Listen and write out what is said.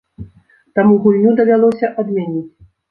Таму гульню давялося адмяніць.